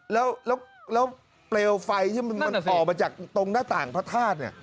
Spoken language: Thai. แล้วเปลวไฟที่มันห่อมาจากตรงหน้าต่างพระธาตุเนี่ย